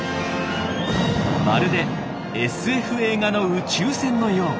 まるでＳＦ映画の宇宙船のよう。